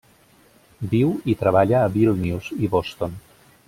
Viu i treballa a Vílnius i Boston.